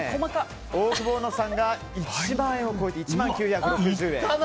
オオクボーノさんが１万円を超えて１万９６０円。